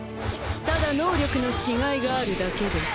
ただ能力の違いがあるだけです。